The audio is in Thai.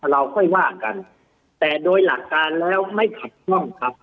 เราค่อยว่ากันแต่โดยหลักการแล้วไม่ขัดข้องครับ